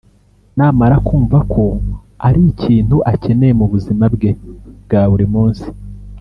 namara kumva ko ari ikintu akeneye mu buzima bwe bwa buri munsi